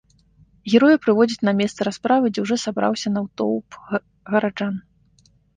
Героя прыводзяць на месца расправы, дзе ўжо сабраўся натоўп гараджан.